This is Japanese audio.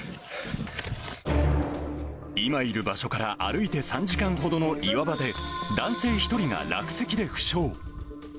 今いる場所から歩いて３時間ほどの岩場で、男性１人が落石で負傷。